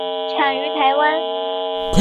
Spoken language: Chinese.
产于台湾。